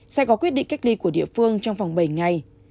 sẽ có quyết định cách ly của địa phương trong vòng bảy ngày